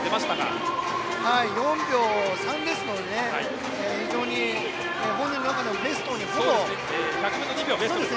５４秒３ですので非常に、本人の中でもベストにほぼ近いという。